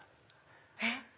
えっ？